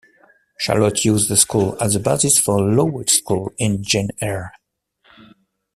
Charlotte used the school as the basis for Lowood School in "Jane Eyre".